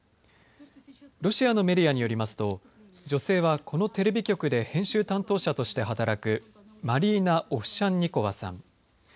ロシアのメディアによりますと女性はこのテレビ局で編集担当者として働くマリーナ・オフシャンニコワさん。